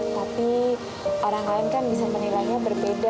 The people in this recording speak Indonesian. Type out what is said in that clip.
tapi orang lain kan bisa menilainya berbeda